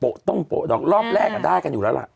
โปะต้องโปะต้องรอบแรกอ่ะได้กันอยู่แล้วละ